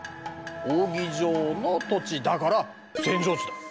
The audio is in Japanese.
扇状の土地だから扇状地だ。